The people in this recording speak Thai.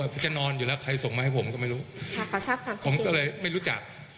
พอจะนอนอยู่แล้วใครส่งมาให้ผมก็ไม่รู้ค่ะขอสร้างความจริงจริงผมก็เลยไม่รู้จัก